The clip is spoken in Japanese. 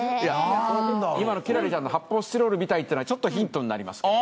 今の輝星ちゃんの発泡スチロールみたいっていうのはちょっとヒントになります。